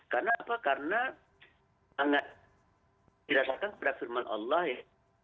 karena apa karena tidak dirasakan kepada firman allah ya